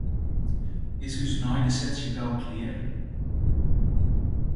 Is ús neigesetsje gau klear?